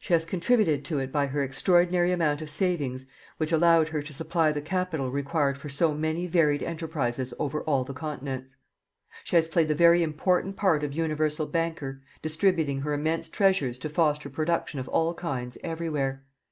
She has contributed to it by her extraordinary amount of savings which allowed her to supply the capital required for so many varied enterprises over all the continents. She has played the very important part of universal banker, distributing her immense treasures to foster production of all kinds everywhere.